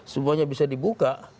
semuanya bisa dibuka